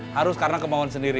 harus karena kemauan sendiri